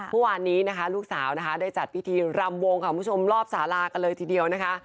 พอวันนี้ลูกสาวได้จัดพิธีรำวงลอบสารากันเลยทีเดียวนะคะ